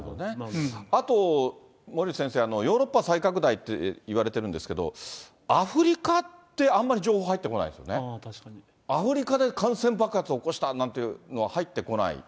あと、森内先生、ヨーロッパ再拡大っていわれてるんですけれども、アフリカって、あんまり情報入ってこないですよね、アフリカで感染爆発を起こしたっていうのなんて、入ってこない。